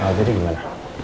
eh al jadi gimana